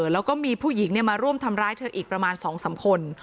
แล้วก็มีผู้หญิงมาร่วมทำร้ายเธออีกประมาณ๒๓คน